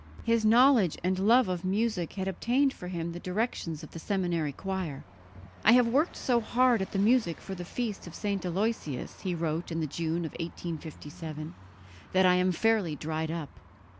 His knowledge and love of music had obtained for him the direction of the seminary choir. "I have worked so hard at the music for the feast of St. Aloysius," he wrote in the June of 1857, "that I am fairly dried up."